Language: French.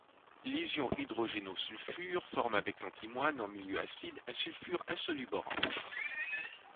Les ions hydrogénosulfures forment avec l'antimoine en milieu acide un sulfure insoluble orange.